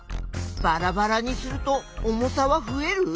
ばらばらにすると重さはふえる？